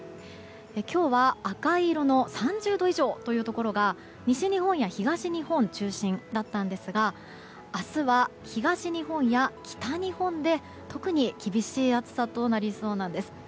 今日は赤い色の３０度以上のところが西日本や東日本中心だったんですが明日は東日本や北日本で、特に厳しい暑さとなりそうなんです。